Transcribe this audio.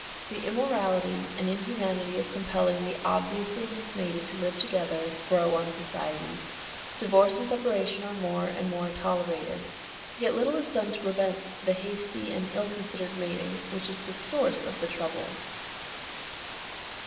The immorality and inhumanity of compelling the obviously mismated to live together, grow on society. Divorce and separation are more and more tolerated. Yet little is done to prevent the hasty and ill considered mating which is at the source of the trouble.